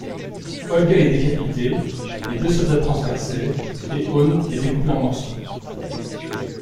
Olga est décapitée, les deux soldats transpercés et One est découpé en morceaux.